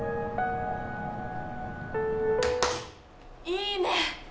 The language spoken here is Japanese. いいね！